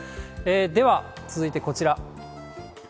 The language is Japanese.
では、続いてこちら。